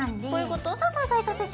こういうこと？